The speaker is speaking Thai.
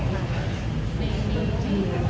เดียวครับ